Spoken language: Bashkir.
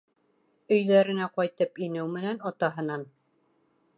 Өйҙәренә ҡайтып инеү менән, атаһынан: